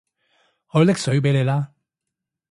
我去拎水畀你啦